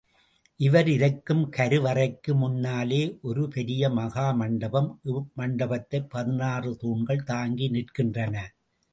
இவர் இருக்கும் கருவறைக்கு முன்னாலே ஒரு பெரிய மகா மண்டபம் இம் மண்டபத்தைப் பதினாறு தூண்கள் தாங்கி நிற்கின்றன.